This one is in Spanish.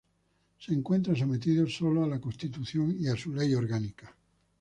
Se encuentra sometido sólo a la Constitución y a su Ley Orgánica.